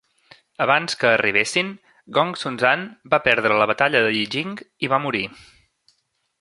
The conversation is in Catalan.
Abans que arribessin, Gongsun Zan va perdre la batalla de Yijing i va morir.